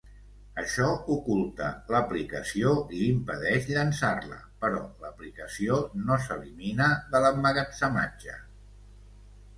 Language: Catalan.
Això oculta l'aplicació i impedeix llançar-la, però l'aplicació no s'elimina de l'emmagatzematge.